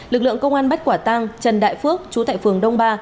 lực lượng công an bắt quả tăng trần đại phước chú tại phường đông ba